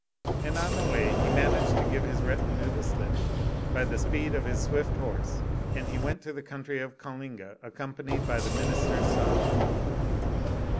And on the way he managed to give his retinue the slip by the speed of his swift horse, and he went to the country of Ka linga accompanied by the minister's son only.